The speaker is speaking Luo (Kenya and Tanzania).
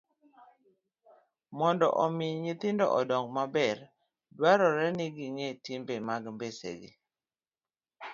Mondo omi nyithindo odong maber, dwarore ni ging'e timbe mag mbesegi.